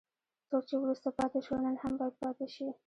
څوک چې وروسته پاتې شول نن هم باید پاتې شي.